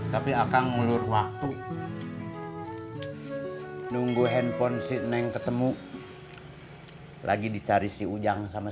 tapi akan ngelur waktu nunggu handphone si neng ketemu lagi dicari si ujang sama